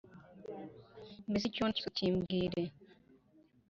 mbese icyo ubona cyose, uti:ukimbwire